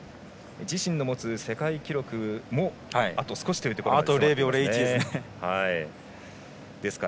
自身が持つ世界記録もあと少しというところですか。